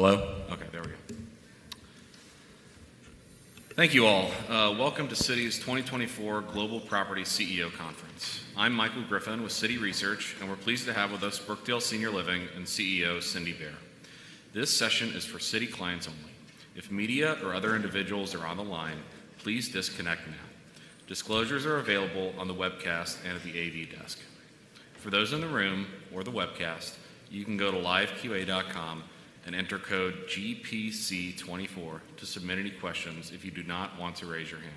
Hello? Okay, there we go. Thank you all. Welcome to Citi's 2024 Global Property CEO Conference. I'm Michael Griffin with Citi Research, and we're pleased to have with us Brookdale Senior Living and CEO Cindy Baier. This session is for Citi clients only. If media or other individuals are on the line, please disconnect now. Disclosures are available on the webcast and at the AV desk. For those in the room or the webcast, you can go to LiveQA and enter code GPC24 to submit any questions if you do not want to raise your hand.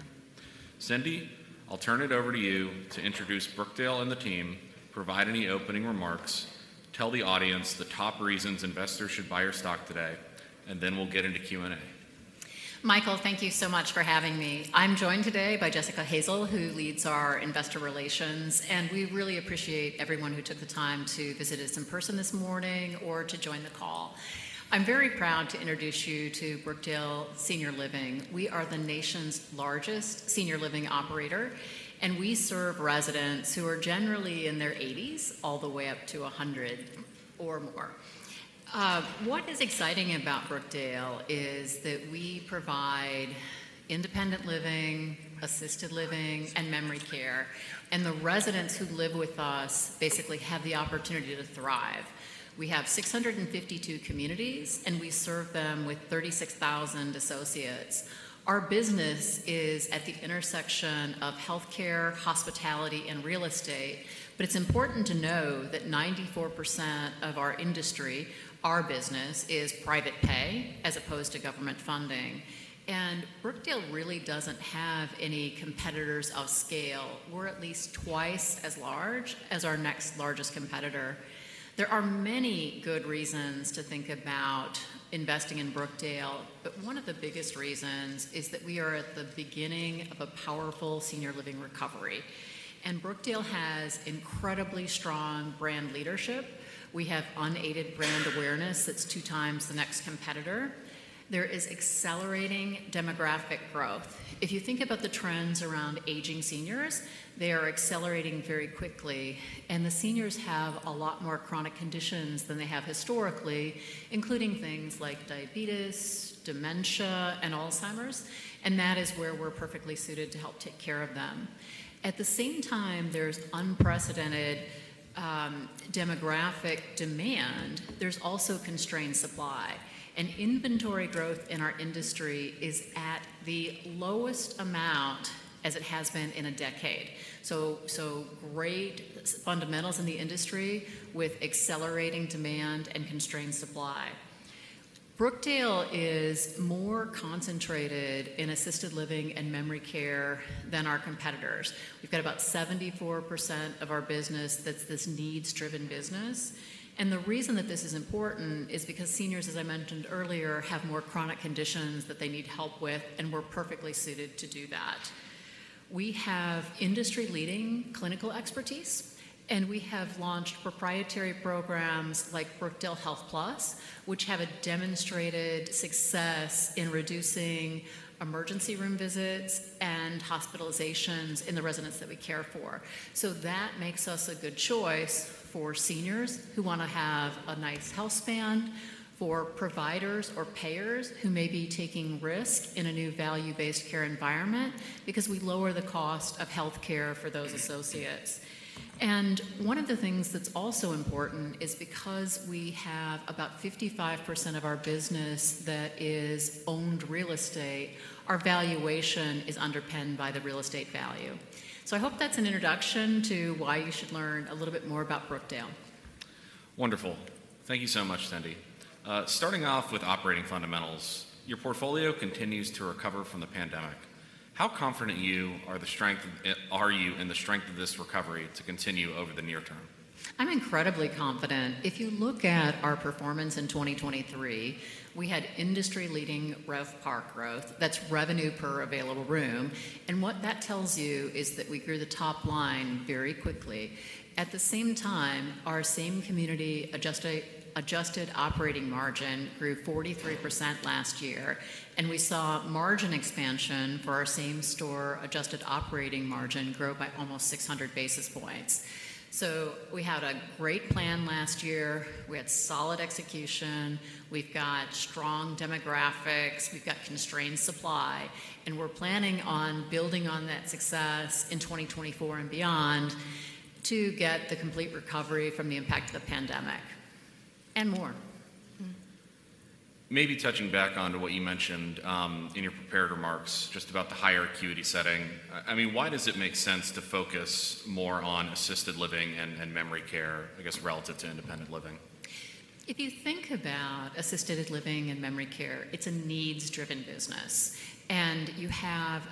Cindy, I'll turn it over to you to introduce Brookdale and the team, provide any opening remarks, tell the audience the top reasons investors should buy your stock today, and then we'll get into Q&A. Michael, thank you so much for having me. I'm joined today by Jessica Hazel, who leads our investor relations, and we really appreciate everyone who took the time to visit us in person this morning or to join the call. I'm very proud to introduce you to Brookdale Senior Living. We are the nation's largest senior living operator, and we serve residents who are generally in their 80s all the way up to 100 or more. What is exciting about Brookdale is that we provide independent living, assisted living, and memory care, and the residents who live with us basically have the opportunity to thrive. We have 652 communities, and we serve them with 36,000 associates. Our business is at the intersection of healthcare, hospitality, and real estate, but it's important to know that 94% of our industry, our business, is private pay as opposed to government funding. Brookdale really doesn't have any competitors of scale. We're at least twice as large as our next largest competitor. There are many good reasons to think about investing in Brookdale, but one of the biggest reasons is that we are at the beginning of a powerful senior living recovery. Brookdale has incredibly strong brand leadership. We have unaided brand awareness that's two times the next competitor. There is accelerating demographic growth. If you think about the trends around aging seniors, they are accelerating very quickly, and the seniors have a lot more chronic conditions than they have historically, including things like diabetes, dementia, and Alzheimer's, and that is where we're perfectly suited to help take care of them. At the same time, there's unprecedented demographic demand. There's also constrained supply. Inventory growth in our industry is at the lowest amount as it has been in a decade. So great fundamentals in the industry with accelerating demand and constrained supply. Brookdale is more concentrated in assisted living and memory care than our competitors. We've got about 74% of our business that's this needs-driven business. And the reason that this is important is because seniors, as I mentioned earlier, have more chronic conditions that they need help with, and we're perfectly suited to do that. We have industry-leading clinical expertise, and we have launched proprietary programs like Brookdale HealthPlus, which have demonstrated success in reducing emergency room visits and hospitalizations in the residents that we care for. So that makes us a good choice for seniors who want to have a nice healthspan, for providers or payers who may be taking risk in a new value-based care environment because we lower the cost of healthcare for those associates. One of the things that's also important is because we have about 55% of our business that is owned real estate, our valuation is underpinned by the real estate value. So I hope that's an introduction to why you should learn a little bit more about Brookdale. Wonderful. Thank you so much, Cindy. Starting off with operating fundamentals, your portfolio continues to recover from the pandemic. How confident are you in the strength of this recovery to continue over the near term? I'm incredibly confident. If you look at our performance in 2023, we had industry-leading RevPAR growth. That's revenue per available room. And what that tells you is that we grew the top line very quickly. At the same time, our same community adjusted operating margin grew 43% last year, and we saw margin expansion for our same store adjusted operating margin grow by almost 600 basis points. So we had a great plan last year. We had solid execution. We've got strong demographics. We've got constrained supply. And we're planning on building on that success in 2024 and beyond to get the complete recovery from the impact of the pandemic and more. Maybe touching back onto what you mentioned in your prepared remarks just about the higher acuity setting. I mean, why does it make sense to focus more on assisted living and memory care, I guess, relative to independent living? If you think about assisted living and memory care, it's a needs-driven business. You have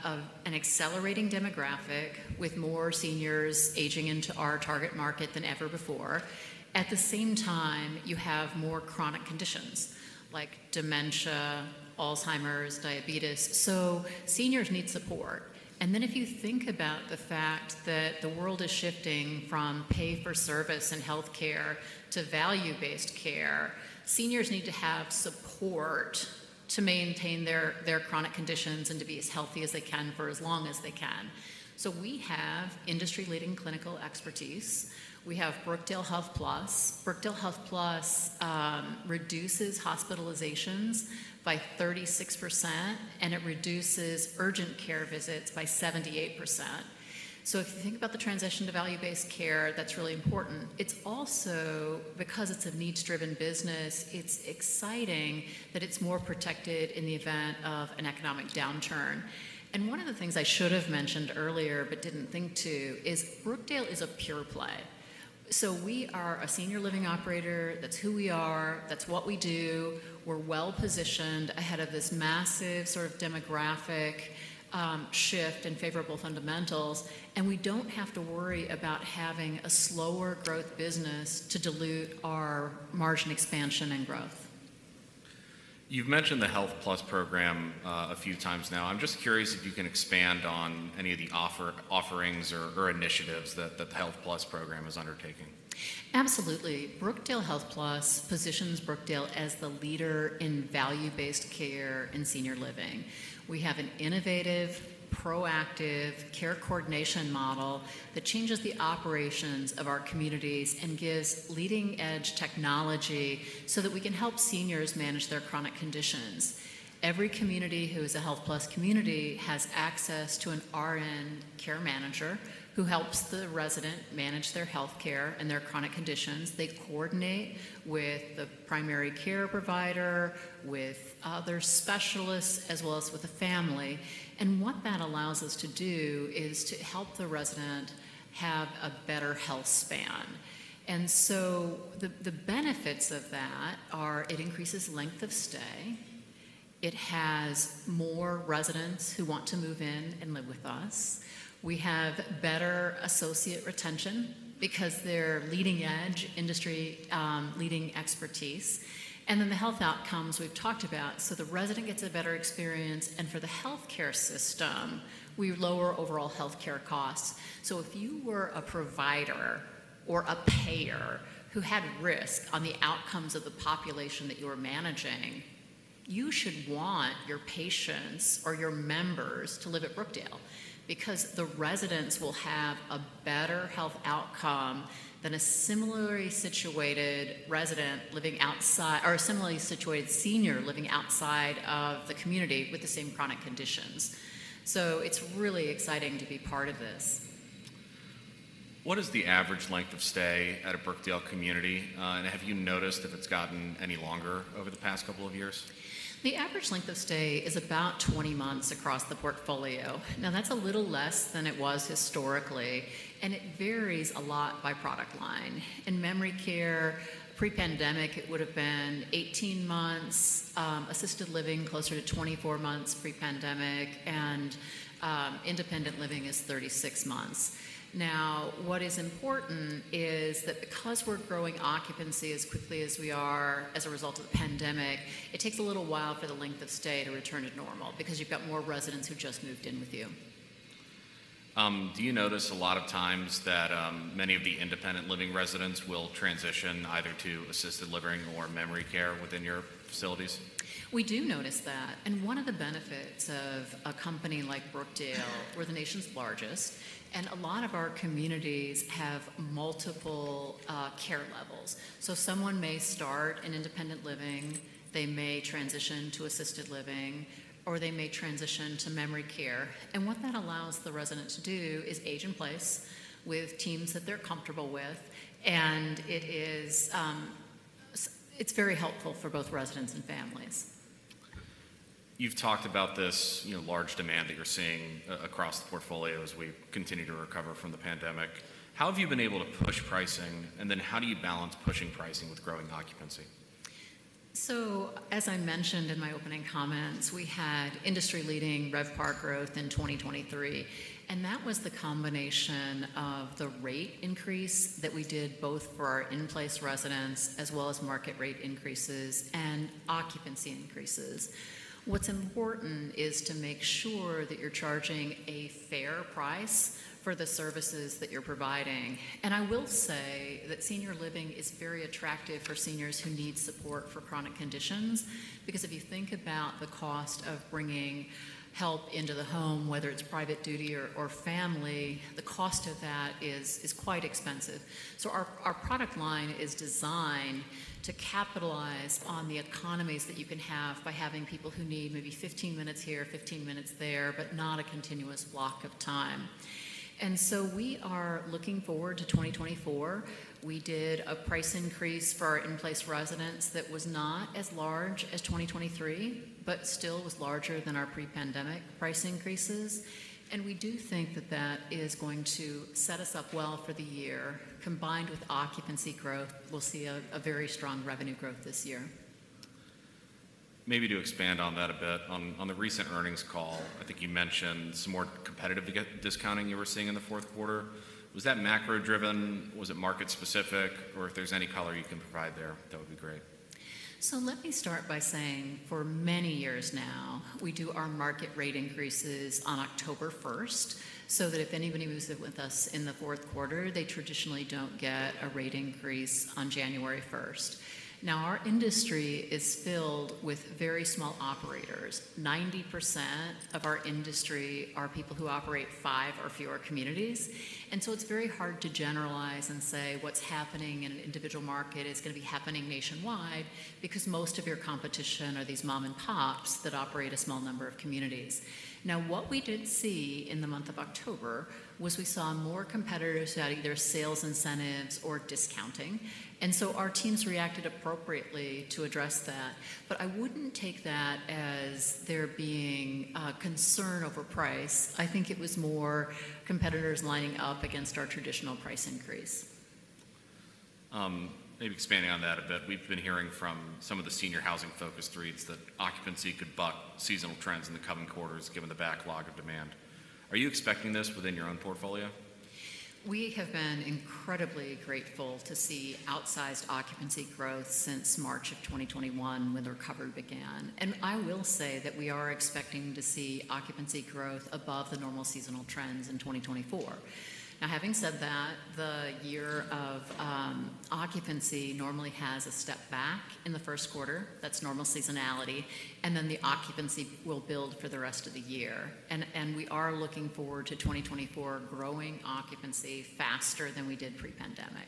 an accelerating demographic with more seniors aging into our target market than ever before. At the same time, you have more chronic conditions like dementia, Alzheimer's, diabetes. Seniors need support. Then if you think about the fact that the world is shifting from pay-for-service and healthcare to value-based care, seniors need to have support to maintain their chronic conditions and to be as healthy as they can for as long as they can. We have industry-leading clinical expertise. We have Brookdale HealthPlus. Brookdale HealthPlus reduces hospitalizations by 36%, and it reduces urgent care visits by 78%. If you think about the transition to value-based care, that's really important. It's also because it's a needs-driven business, it's exciting that it's more protected in the event of an economic downturn. One of the things I should have mentioned earlier but didn't think to is Brookdale is a pure play. So we are a senior living operator. That's who we are. That's what we do. We're well-positioned ahead of this massive sort of demographic shift in favorable fundamentals, and we don't have to worry about having a slower growth business to dilute our margin expansion and growth. You've mentioned the Health Plus program a few times now. I'm just curious if you can expand on any of the offerings or initiatives that the Health Plus program is undertaking. Absolutely. Brookdale HealthPlus positions Brookdale as the leader in value-based care in senior living. We have an innovative, proactive care coordination model that changes the operations of our communities and gives leading-edge technology so that we can help seniors manage their chronic conditions. Every community who is a HealthPlus community has access to an RN care manager who helps the resident manage their healthcare and their chronic conditions. They coordinate with the primary care provider, with other specialists, as well as with the family. And what that allows us to do is to help the resident have a better healthspan. And so the benefits of that are it increases length of stay. It has more residents who want to move in and live with us. We have better associate retention because they're leading-edge industry-leading expertise. And then the health outcomes we've talked about. So the resident gets a better experience. And for the healthcare system, we lower overall healthcare costs. So if you were a provider or a payer who had risk on the outcomes of the population that you were managing, you should want your patients or your members to live at Brookdale because the residents will have a better health outcome than a similarly situated resident living outside or a similarly situated senior living outside of the community with the same chronic conditions. So it's really exciting to be part of this. What is the average length of stay at a Brookdale community? And have you noticed if it's gotten any longer over the past couple of years? The average length of stay is about 20 months across the portfolio. Now, that's a little less than it was historically, and it varies a lot by product line. In Memory Care, pre-pandemic, it would have been 18 months. Assisted Living, closer to 24 months pre-pandemic. And Independent Living is 36 months. Now, what is important is that because we're growing occupancy as quickly as we are as a result of the pandemic, it takes a little while for the length of stay to return to normal because you've got more residents who just moved in with you. Do you notice a lot of times that many of the Independent Living residents will transition either to Assisted Living or Memory Care within your facilities? We do notice that. One of the benefits of a company like Brookdale, we're the nation's largest, and a lot of our communities have multiple care levels. Someone may start in independent living. They may transition to assisted living, or they may transition to memory care. What that allows the resident to do is age in place with teams that they're comfortable with. It's very helpful for both residents and families. You've talked about this large demand that you're seeing across the portfolio as we continue to recover from the pandemic. How have you been able to push pricing, and then how do you balance pushing pricing with growing occupancy? So as I mentioned in my opening comments, we had industry-leading RevPAR growth in 2023, and that was the combination of the rate increase that we did both for our in-place residents as well as market rate increases and occupancy increases. What's important is to make sure that you're charging a fair price for the services that you're providing. And I will say that senior living is very attractive for seniors who need support for chronic conditions because if you think about the cost of bringing help into the home, whether it's private duty or family, the cost of that is quite expensive. So our product line is designed to capitalize on the economies that you can have by having people who need maybe 15 minutes here, 15 minutes there, but not a continuous block of time. And so we are looking forward to 2024. We did a price increase for our in-place residents that was not as large as 2023 but still was larger than our pre-pandemic price increases. We do think that that is going to set us up well for the year. Combined with occupancy growth, we'll see a very strong revenue growth this year. Maybe to expand on that a bit, on the recent earnings call, I think you mentioned some more competitive discounting you were seeing in the fourth quarter. Was that macro-driven? Was it market-specific? Or if there's any color you can provide there, that would be great. So let me start by saying for many years now, we do our market rate increases on October 1st so that if anybody moves in with us in the fourth quarter, they traditionally don't get a rate increase on January 1st. Now, our industry is filled with very small operators. 90% of our industry are people who operate five or fewer communities. And so it's very hard to generalize and say what's happening in an individual market is going to be happening nationwide because most of your competition are these mom-and-pops that operate a small number of communities. Now, what we did see in the month of October was we saw more competitors who had either sales incentives or discounting. And so our teams reacted appropriately to address that. But I wouldn't take that as there being concern over price. I think it was more competitors lining up against our traditional price increase. Maybe expanding on that a bit, we've been hearing from some of the senior housing focus threads that occupancy could buck seasonal trends in the coming quarters given the backlog of demand. Are you expecting this within your own portfolio? We have been incredibly grateful to see outsized occupancy growth since March of 2021 when the recovery began. I will say that we are expecting to see occupancy growth above the normal seasonal trends in 2024. Now, having said that, the year of occupancy normally has a step back in the first quarter. That's normal seasonality. Then the occupancy will build for the rest of the year. We are looking forward to 2024 growing occupancy faster than we did pre-pandemic.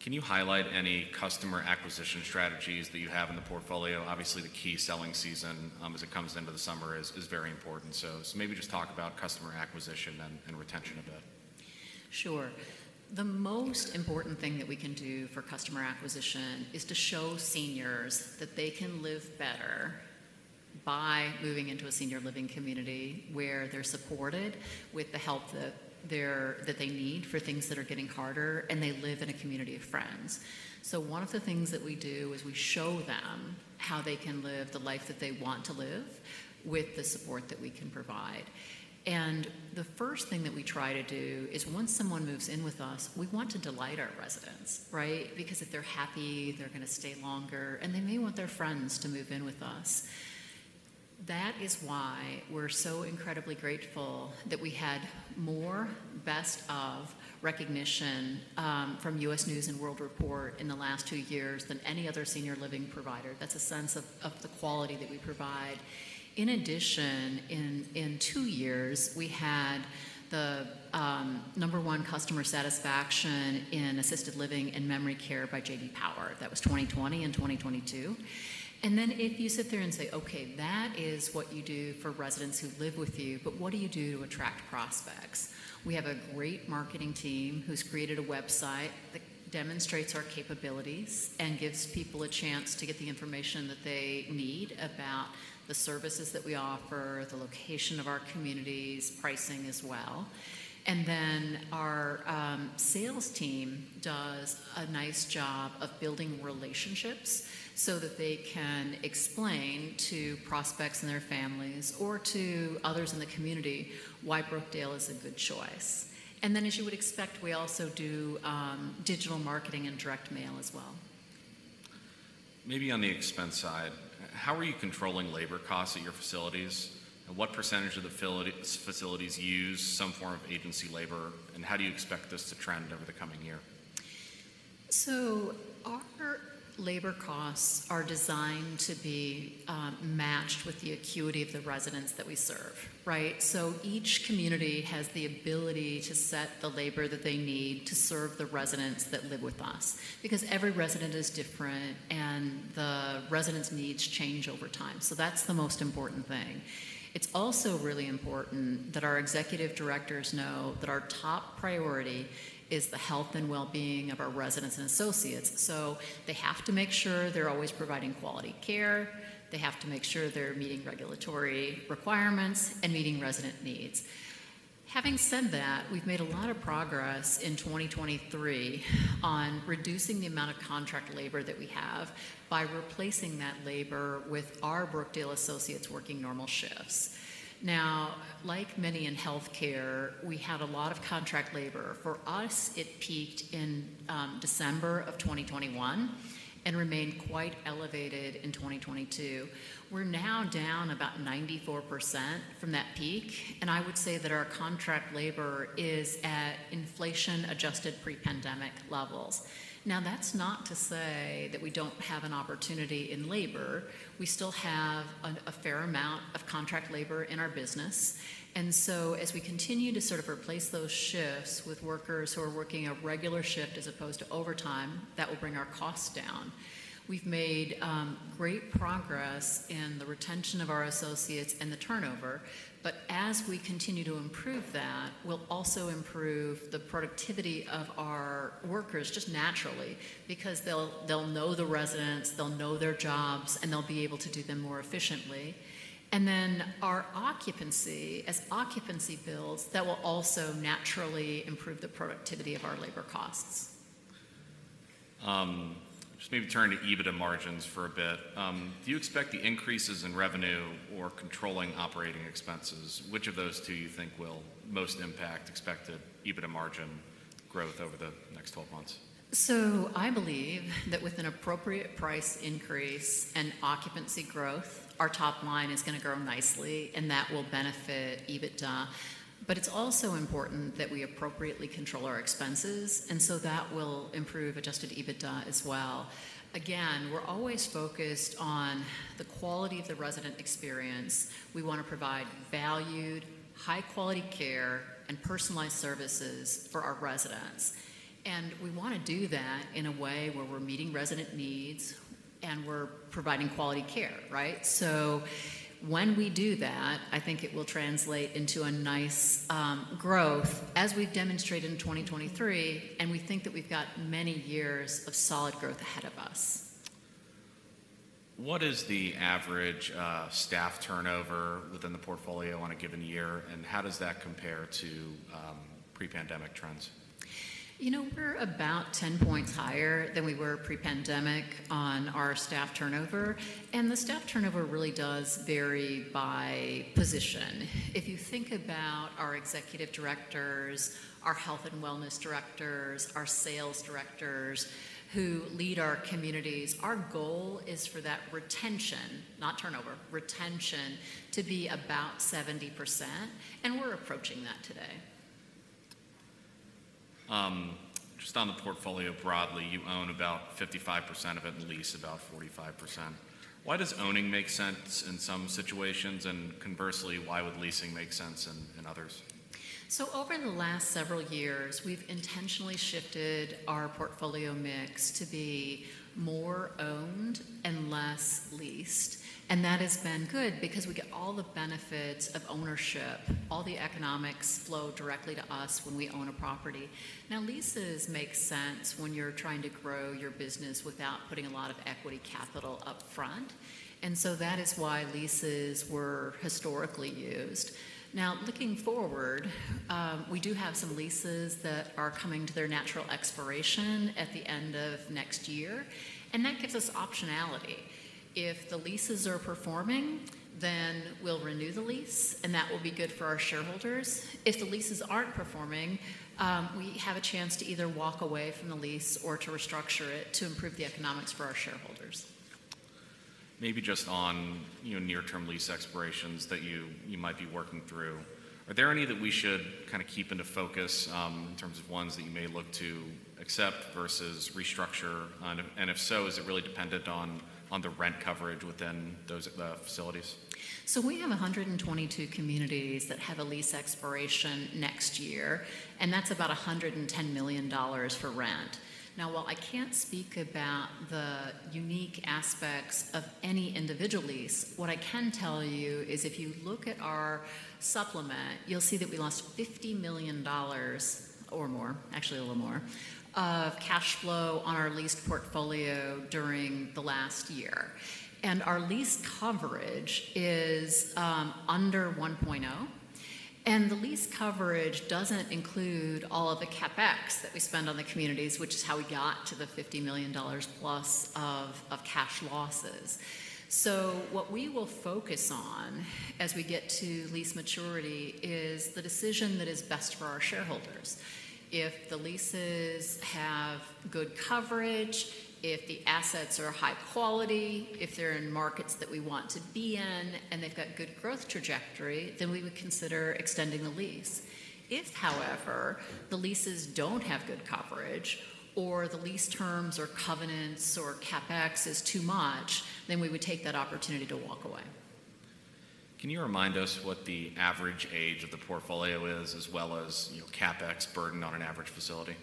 Can you highlight any customer acquisition strategies that you have in the portfolio? Obviously, the key selling season as it comes into the summer is very important. So maybe just talk about customer acquisition and retention a bit. Sure. The most important thing that we can do for customer acquisition is to show seniors that they can live better by moving into a senior living community where they're supported with the help that they need for things that are getting harder, and they live in a community of friends. So one of the things that we do is we show them how they can live the life that they want to live with the support that we can provide. And the first thing that we try to do is once someone moves in with us, we want to delight our residents, right? Because if they're happy, they're going to stay longer, and they may want their friends to move in with us. That is why we're so incredibly grateful that we had more best of recognition from U.S. News & World Report in the last two years than any other senior living provider. That's a sense of the quality that we provide. In addition, in two years, we had the number one customer satisfaction in assisted living and memory care by J.D. Power. That was 2020 and 2022. And then if you sit there and say, "Okay, that is what you do for residents who live with you, but what do you do to attract prospects?" We have a great marketing team who's created a website that demonstrates our capabilities and gives people a chance to get the information that they need about the services that we offer, the location of our communities, pricing as well. And then our sales team does a nice job of building relationships so that they can explain to prospects and their families or to others in the community why Brookdale is a good choice. And then as you would expect, we also do digital marketing and direct mail as well. Maybe on the expense side, how are you controlling labor costs at your facilities? What percentage of the facilities use some form of agency labor? And how do you expect this to trend over the coming year? Our labor costs are designed to be matched with the acuity of the residents that we serve, right? Each community has the ability to set the labor that they need to serve the residents that live with us because every resident is different, and the residents' needs change over time. That's the most important thing. It's also really important that our executive directors know that our top priority is the health and well-being of our residents and associates. They have to make sure they're always providing quality care. They have to make sure they're meeting regulatory requirements and meeting resident needs. Having said that, we've made a lot of progress in 2023 on reducing the amount of contract labor that we have by replacing that labor with our Brookdale associates working normal shifts. Now, like many in healthcare, we had a lot of contract labor. For us, it peaked in December of 2021 and remained quite elevated in 2022. We're now down about 94% from that peak. And I would say that our contract labor is at inflation-adjusted pre-pandemic levels. Now, that's not to say that we don't have an opportunity in labor. We still have a fair amount of contract labor in our business. And so as we continue to sort of replace those shifts with workers who are working a regular shift as opposed to overtime, that will bring our costs down. We've made great progress in the retention of our associates and the turnover. But as we continue to improve that, we'll also improve the productivity of our workers just naturally because they'll know the residents, they'll know their jobs, and they'll be able to do them more efficiently. And then our occupancy, as occupancy builds, that will also naturally improve the productivity of our labor costs. Just maybe turn to EBITDA margins for a bit. Do you expect the increases in revenue or controlling operating expenses, which of those two you think will most impact expected EBITDA margin growth over the next 12 months? So I believe that with an appropriate price increase and occupancy growth, our top line is going to grow nicely, and that will benefit EBITDA. But it's also important that we appropriately control our expenses. And so that will improve adjusted EBITDA as well. Again, we're always focused on the quality of the resident experience. We want to provide valued, high-quality care and personalized services for our residents. And we want to do that in a way where we're meeting resident needs and we're providing quality care, right? So when we do that, I think it will translate into a nice growth as we've demonstrated in 2023, and we think that we've got many years of solid growth ahead of us. What is the average staff turnover within the portfolio on a given year, and how does that compare to pre-pandemic trends? You know, we're about 10 points higher than we were pre-pandemic on our staff turnover. The staff turnover really does vary by position. If you think about our executive directors, our health and wellness directors, our sales directors who lead our communities, our goal is for that retention, not turnover, retention to be about 70%. We're approaching that today. Just on the portfolio broadly, you own about 55% of it and lease about 45%. Why does owning make sense in some situations? And conversely, why would leasing make sense in others? Over the last several years, we've intentionally shifted our portfolio mix to be more owned and less leased. That has been good because we get all the benefits of ownership. All the economics flow directly to us when we own a property. Now, leases make sense when you're trying to grow your business without putting a lot of equity capital upfront. So that is why leases were historically used. Now, looking forward, we do have some leases that are coming to their natural expiration at the end of next year. That gives us optionality. If the leases are performing, then we'll renew the lease, and that will be good for our shareholders. If the leases aren't performing, we have a chance to either walk away from the lease or to restructure it to improve the economics for our shareholders. Maybe just on near-term lease expirations that you might be working through, are there any that we should kind of keep into focus in terms of ones that you may look to accept versus restructure? And if so, is it really dependent on the rent coverage within those facilities? So we have 122 communities that have a lease expiration next year, and that's about $110 million for rent. Now, while I can't speak about the unique aspects of any individual lease, what I can tell you is if you look at our supplement, you'll see that we lost $50 million or more, actually a little more, of cash flow on our leased portfolio during the last year. And our lease coverage is under 1.0. And the lease coverage doesn't include all of the CapEx that we spend on the communities, which is how we got to the $50 million plus of cash losses. So what we will focus on as we get to lease maturity is the decision that is best for our shareholders. If the leases have good coverage, if the assets are high quality, if they're in markets that we want to be in, and they've got good growth trajectory, then we would consider extending the lease. If, however, the leases don't have good coverage or the lease terms or covenants or CapEx is too much, then we would take that opportunity to walk away. Can you remind us what the average age of the portfolio is as well as CapEx burden on an average facility? Can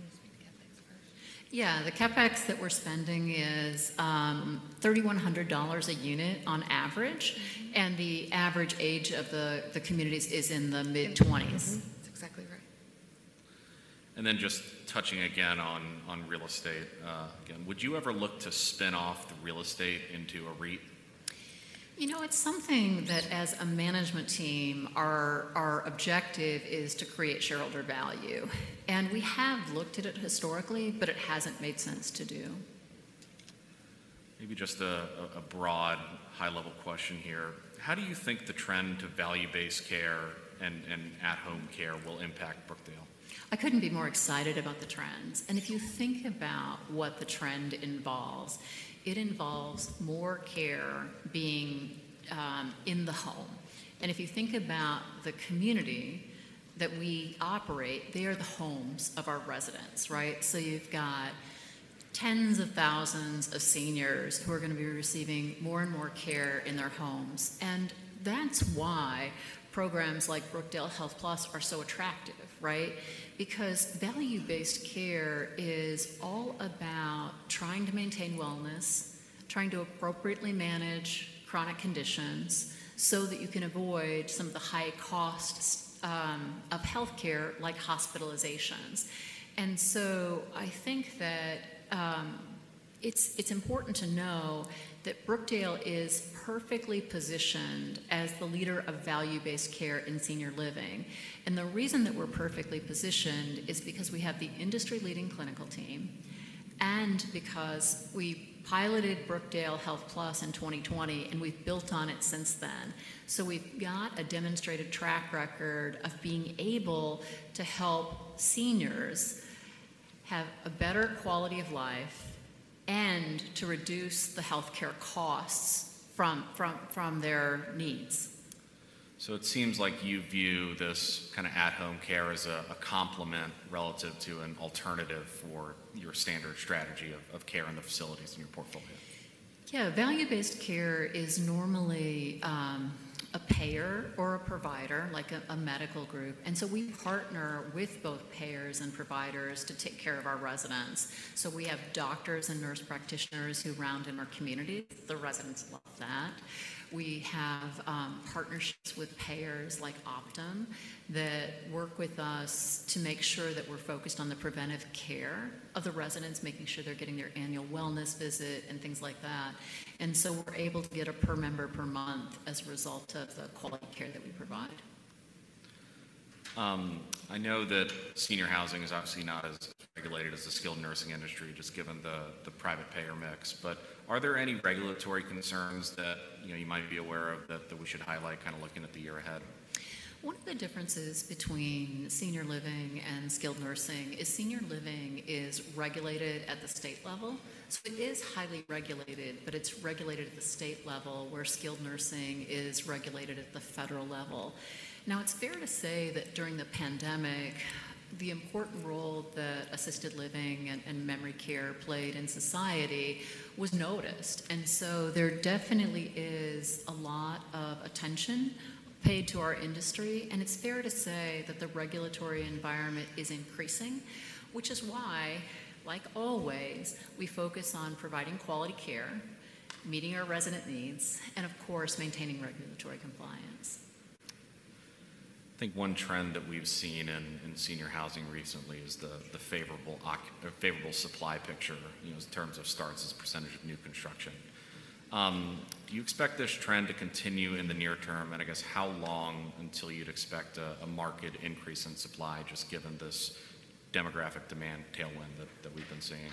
you speak to CapEx first? Yeah. The CapEx that we're spending is $3,100 a unit on average. And the average age of the communities is in the mid-20s. That's exactly right. Then just touching again on real estate again, would you ever look to spin off the real estate into a REIT? You know, it's something that as a management team, our objective is to create shareholder value. We have looked at it historically, but it hasn't made sense to do. Maybe just a broad, high-level question here. How do you think the trend to value-based care and at-home care will impact Brookdale? I couldn't be more excited about the trends. And if you think about what the trend involves, it involves more care being in the home. And if you think about the community that we operate, they are the homes of our residents, right? So you've got tens of thousands of seniors who are going to be receiving more and more care in their homes. And that's why programs like Brookdale HealthPlus are so attractive, right? Because value-based care is all about trying to maintain wellness, trying to appropriately manage chronic conditions so that you can avoid some of the high costs of healthcare like hospitalizations. And so I think that it's important to know that Brookdale is perfectly positioned as the leader of value-based care in senior living. The reason that we're perfectly positioned is because we have the industry-leading clinical team and because we piloted Brookdale HealthPlus in 2020, and we've built on it since then. We've got a demonstrated track record of being able to help seniors have a better quality of life and to reduce the healthcare costs from their needs. It seems like you view this kind of at-home care as a complement relative to an alternative for your standard strategy of care in the facilities in your portfolio. Yeah. Value-Based Care is normally a payer or a provider, like a medical group. And so we partner with both payers and providers to take care of our residents. So we have doctors and nurse practitioners who round in our communities. The residents love that. We have partnerships with payers like Optum that work with us to make sure that we're focused on the preventive care of the residents, making sure they're getting their annual wellness visit and things like that. And so we're able to get a per member per month as a result of the quality care that we provide. I know that senior housing is obviously not as regulated as the skilled nursing industry, just given the private payer mix. But are there any regulatory concerns that you might be aware of that we should highlight kind of looking at the year ahead? One of the differences between senior living and skilled nursing is senior living is regulated at the state level. So it is highly regulated, but it's regulated at the state level where skilled nursing is regulated at the federal level. Now, it's fair to say that during the pandemic, the important role that assisted living and memory care played in society was noticed. And so there definitely is a lot of attention paid to our industry. And it's fair to say that the regulatory environment is increasing, which is why, like always, we focus on providing quality care, meeting our resident needs, and, of course, maintaining regulatory compliance. I think one trend that we've seen in senior housing recently is the favorable supply picture in terms of starts as percentage of new construction. Do you expect this trend to continue in the near term? I guess, how long until you'd expect a market increase in supply, just given this demographic demand tailwind that we've been seeing?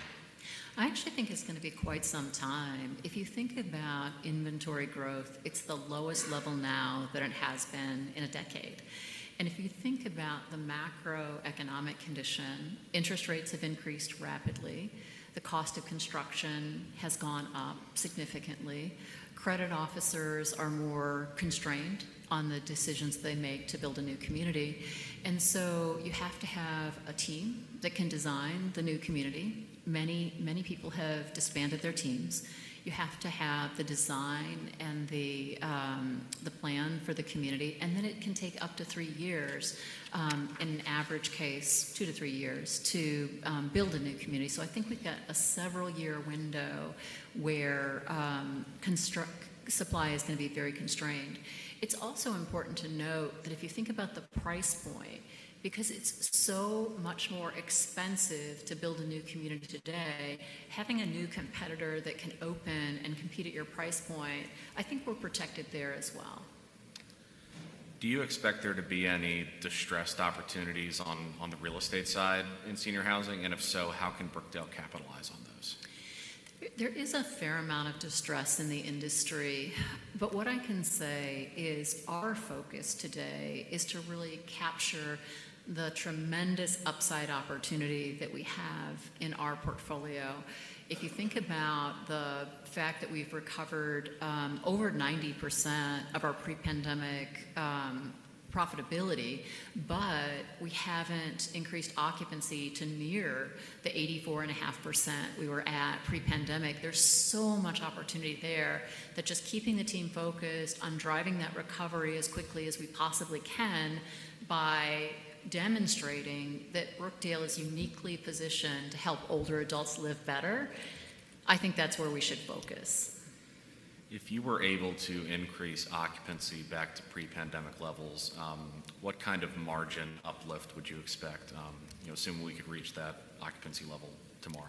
I actually think it's going to be quite some time. If you think about inventory growth, it's the lowest level now that it has been in a decade. If you think about the macroeconomic condition, interest rates have increased rapidly. The cost of construction has gone up significantly. Credit officers are more constrained on the decisions they make to build a new community. And so you have to have a team that can design the new community. Many, many people have disbanded their teams. You have to have the design and the plan for the community. And then it can take up to three years, in an average case, two to three years to build a new community. So I think we've got a several-year window where supply is going to be very constrained. It's also important to note that if you think about the price point, because it's so much more expensive to build a new community today, having a new competitor that can open and compete at your price point, I think we're protected there as well. Do you expect there to be any distressed opportunities on the real estate side in senior housing? If so, how can Brookdale capitalize on those? There is a fair amount of distress in the industry. But what I can say is our focus today is to really capture the tremendous upside opportunity that we have in our portfolio. If you think about the fact that we've recovered over 90% of our pre-pandemic profitability, but we haven't increased occupancy to near the 84.5% we were at pre-pandemic, there's so much opportunity there that just keeping the team focused on driving that recovery as quickly as we possibly can by demonstrating that Brookdale is uniquely positioned to help older adults live better, I think that's where we should focus. If you were able to increase occupancy back to pre-pandemic levels, what kind of margin uplift would you expect? Assume we could reach that occupancy level tomorrow.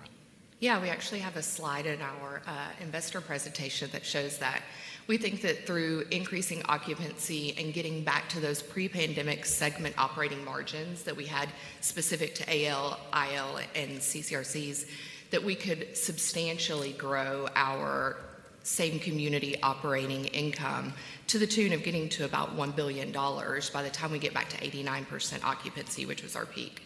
Yeah. We actually have a slide in our investor presentation that shows that. We think that through increasing occupancy and getting back to those pre-pandemic segment operating margins that we had specific to AL, IL, and CCRCs, that we could substantially grow our same community operating income to the tune of getting to about $1 billion by the time we get back to 89% occupancy, which was our peak.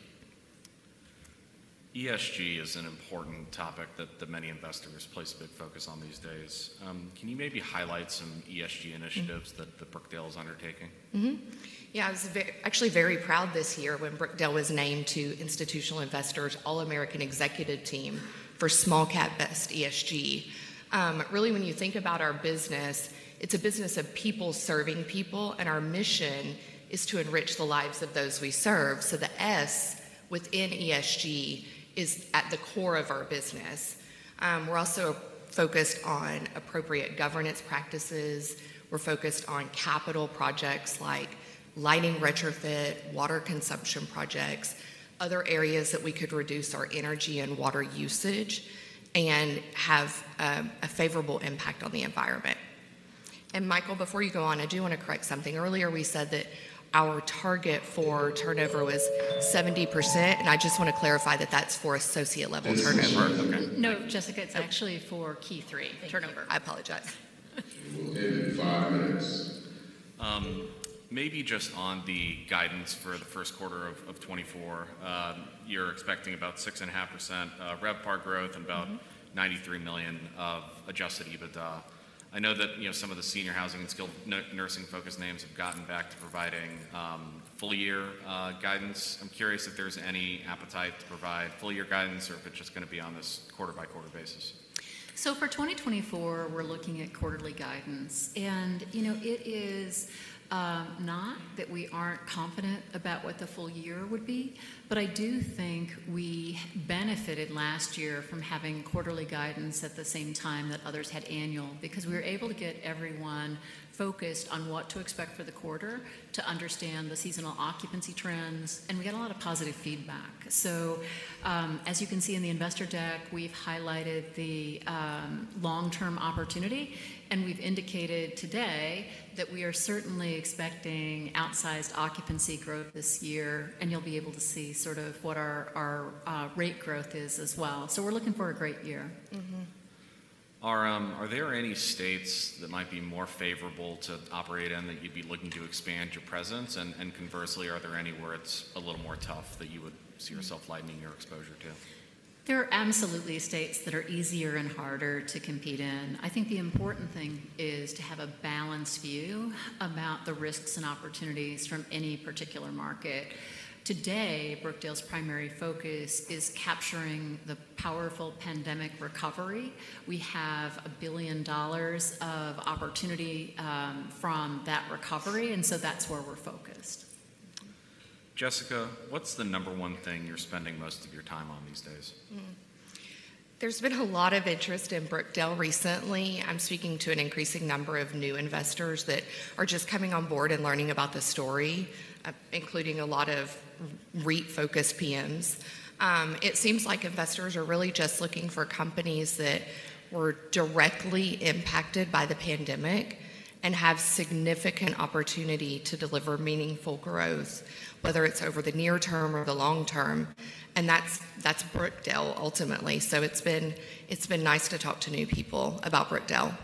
ESG is an important topic that many investors place big focus on these days. Can you maybe highlight some ESG initiatives that Brookdale is undertaking? Yeah. I was actually very proud this year when Brookdale was named to Institutional Investors All-American Executive Team for Small Cap Best ESG. Really, when you think about our business, it's a business of people serving people. And our mission is to enrich the lives of those we serve. So the S within ESG is at the core of our business. We're also focused on appropriate governance practices. We're focused on capital projects like lighting retrofit, water consumption projects, other areas that we could reduce our energy and water usage and have a favorable impact on the environment. And Michael, before you go on, I do want to correct something. Earlier, we said that our target for turnover was 70%. And I just want to clarify that that's for associate-level turnover. No, Jessica, it's actually for Q3, turnover. I apologize. We'll end in five minutes. Maybe just on the guidance for the first quarter of 2024, you're expecting about 6.5% RevPAR growth and about $93 million of adjusted EBITDA. I know that some of the senior housing and skilled nursing-focused names have gotten back to providing full-year guidance. I'm curious if there's any appetite to provide full-year guidance or if it's just going to be on this quarter-by-quarter basis. For 2024, we're looking at quarterly guidance. It is not that we aren't confident about what the full year would be, but I do think we benefited last year from having quarterly guidance at the same time that others had annual because we were able to get everyone focused on what to expect for the quarter to understand the seasonal occupancy trends. We got a lot of positive feedback. As you can see in the investor deck, we've highlighted the long-term opportunity. We've indicated today that we are certainly expecting outsized occupancy growth this year. You'll be able to see sort of what our rate growth is as well. We're looking for a great year. Are there any states that might be more favorable to operate in that you'd be looking to expand your presence? And conversely, are there any where it's a little more tough that you would see yourself lightening your exposure to? There are absolutely states that are easier and harder to compete in. I think the important thing is to have a balanced view about the risks and opportunities from any particular market. Today, Brookdale's primary focus is capturing the powerful pandemic recovery. We have $1 billion of opportunity from that recovery. And so that's where we're focused. Jessica, what's the number one thing you're spending most of your time on these days? There's been a lot of interest in Brookdale recently. I'm speaking to an increasing number of new investors that are just coming on board and learning about the story, including a lot of REIT-focused PMs. It seems like investors are really just looking for companies that were directly impacted by the pandemic and have significant opportunity to deliver meaningful growth, whether it's over the near term or the long term. And that's Brookdale, ultimately. So it's been nice to talk to new people about Brookdale.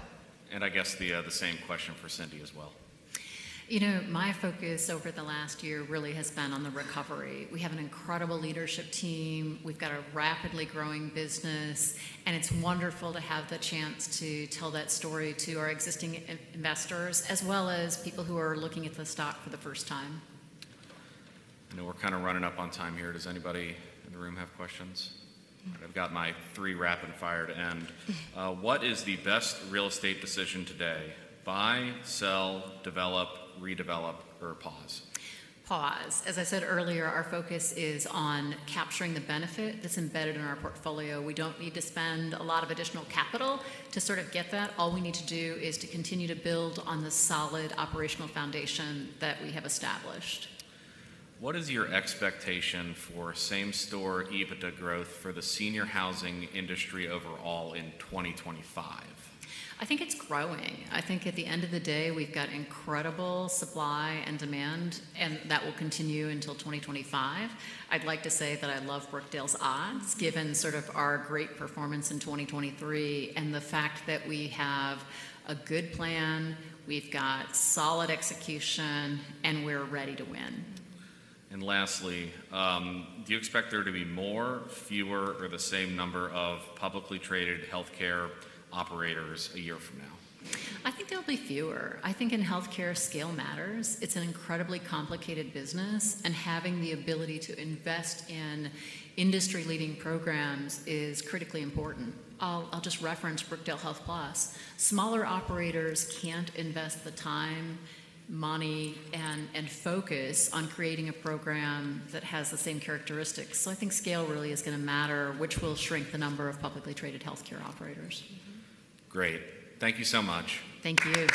I guess the same question for Cindy as well. You know, my focus over the last year really has been on the recovery. We have an incredible leadership team. We've got a rapidly growing business. And it's wonderful to have the chance to tell that story to our existing investors as well as people who are looking at the stock for the first time. I know we're kind of running up on time here. Does anybody in the room have questions? I've got my three rapid fire to end. What is the best real estate decision today? Buy, sell, develop, redevelop, or pause? As I said earlier, our focus is on capturing the benefit that's embedded in our portfolio. We don't need to spend a lot of additional capital to sort of get that. All we need to do is to continue to build on the solid operational foundation that we have established. What is your expectation for same-store EBITDA growth for the senior housing industry overall in 2025? I think it's growing. I think at the end of the day, we've got incredible supply and demand, and that will continue until 2025. I'd like to say that I love Brookdale's odds given sort of our great performance in 2023 and the fact that we have a good plan, we've got solid execution, and we're ready to win. Lastly, do you expect there to be more, fewer, or the same number of publicly traded healthcare operators a year from now? I think there'll be fewer. I think in healthcare, scale matters. It's an incredibly complicated business. Having the ability to invest in industry-leading programs is critically important. I'll just reference Brookdale HealthPlus. Smaller operators can't invest the time, money, and focus on creating a program that has the same characteristics. So I think scale really is going to matter, which will shrink the number of publicly traded healthcare operators. Great. Thank you so much. Thank you.